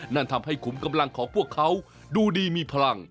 นั่นทำให้ขุมกำลังของพวกเขาดูดีมีพลัง